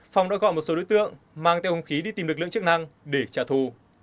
phong đã gọi một số đối tượng mang theo hông khí đi tìm lực lượng chức năng để trả thù